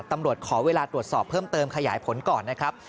ตำรวจขอเวลาตรวจสอบเพิ่มเติมขยายผลก่อนนะครับ